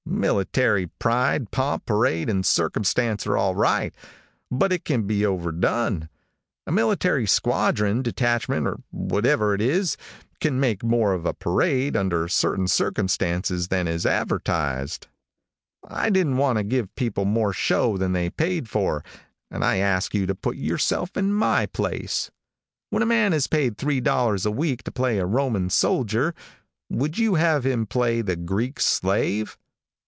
Military pride, pomp, parade, and circumstance, are all right; but it can be overdone. A military squadron, detachment, or whatever it is, can make more of a parade, under certain circumstances, than is advertised. I didn't want to give people more show than they paid for, and I ask you to put yourself in my place. When a man is paid three dollars a week to play a Roman soldier, would you have him play the Greek slave?